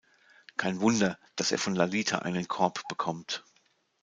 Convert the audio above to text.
Kein Wunder, dass er von Lalita einen Korb bekommt.